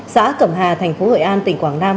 xã cẩm hà thành phố hội an tỉnh quảng nam